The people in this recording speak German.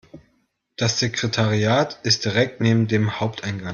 Das Sekretariat ist direkt neben dem Haupteingang.